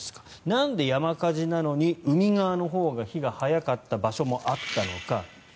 なんで山火事なのに海側のほうが火が早かった場所もあったのか。